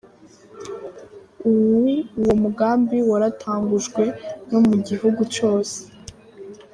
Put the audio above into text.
Uwu mugambi waratangujwe no mu gihugu cose.